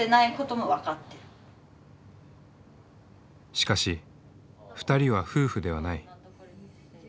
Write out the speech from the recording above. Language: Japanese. しかし２人は夫婦ではない。